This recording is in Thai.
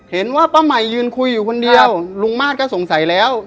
เห็นว่าป้าใหม่ยืนคุยอยู่คนเดียวลุงมาสก็สงสัยแล้ว